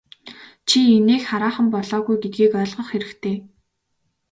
Чи инээх хараахан болоогүй гэдгийг ойлгох хэрэгтэй.